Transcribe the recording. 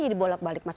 jadi bolak balik mas